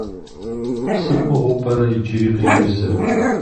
Сыт мыгъуэу пӏэрэ иджыри къеузыр?